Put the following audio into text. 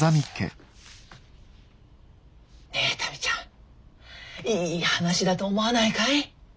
ねえ民ちゃんいい話だと思わないかい？